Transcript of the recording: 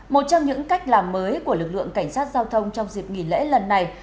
một trong những cách làm mới của lực lượng cảnh sát giao thông trong dịp nghỉ lễ lần này